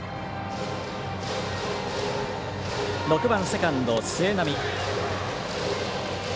６番セカンド、末浪。